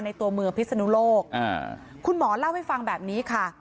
ตัวเมืองพิศนุโลกคุณหมอเล่าให้ฟังแบบนี้ค่ะ